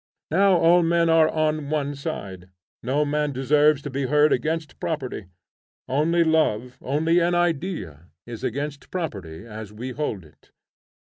Now all men are on one side. No man deserves to be heard against property. Only Love, only an Idea, is against property as we hold it.